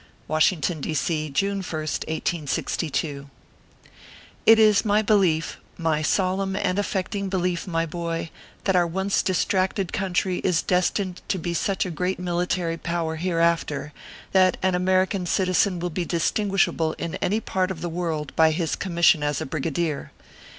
WASHINGTON, D. C., Juno 1st, 1S62. IT is my belief my solemn and affecting belief, my boy, that our once distracted country is destined to be such a great military power hereafter, that an American citizen will be distinguishable in any part of the world by his commission as a brigadier.